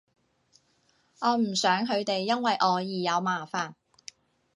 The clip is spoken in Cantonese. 我唔想佢哋因為我而有麻煩